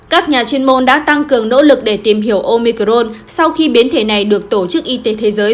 các nhà chuyên môn đã tăng cường nỗ lực để tìm hiểu omicrone sau khi biến thể này được tổ chức y tế thế giới